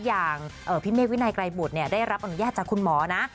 อย่างพี่เมฆวินัยไกรบุตรได้รับอนุญาตจากคุณหมอนะ